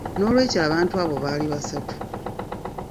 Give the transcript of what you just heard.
N'olwekyo abantu abo baali basatu.